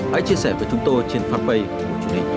hãy chia sẻ với chúng tôi trên fanpage của chủ nghĩa công an nhân dân